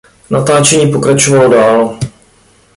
Natáčení poté pokračovalo dál.